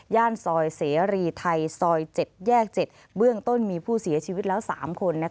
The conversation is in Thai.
ซอยเสรีไทยซอย๗แยก๗เบื้องต้นมีผู้เสียชีวิตแล้ว๓คน